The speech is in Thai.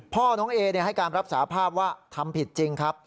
พ่อน้องเอให้การรับสาภาพว่าทำผิดจริงครับ